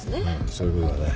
そういうことだね。